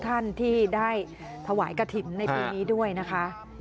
ยังไม่ให้มาทำใดนะคะยังไม่ให้มาทำใด